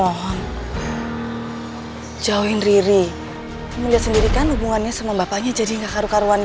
mohon jauhin riri melihat sendiri kan hubungannya sama bapaknya jadi enggak karu karuan